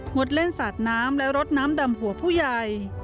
ดเล่นสาดน้ำและรดน้ำดำหัวผู้ใหญ่